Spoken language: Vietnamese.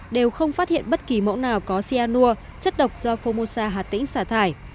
đều không phát hiện bất kỳ mẫu nào có cyanur chất độc do phomosa hạt tĩnh xả thải